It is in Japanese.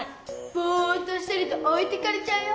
ぼうっとしてるとおいてかれちゃうよ。